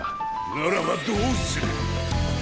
ならばどうする？